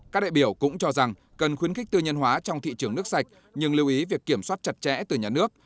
các đại biểu cũng cho rằng cần khuyến khích tư nhân hóa trong thị trường nước sạch nhưng lưu ý việc kiểm soát chặt chẽ từ nhà nước